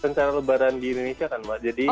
tentara lebaran di indonesia kan mak jadi